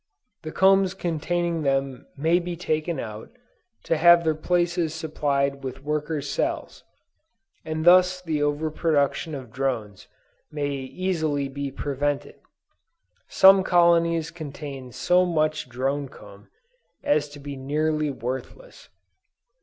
The combs containing them may be taken out, to have their places supplied with worker's cells, and thus the over production of drones may easily be prevented. Some colonies contain so much drone comb as to be nearly worthless.